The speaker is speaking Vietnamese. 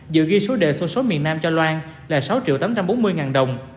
dự ghi số đề xuất số miền nam cho loan là sáu triệu tám trăm bốn mươi ngàn đồng